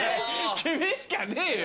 厳しかねえよ！